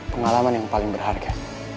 pengalaman yang paling berharga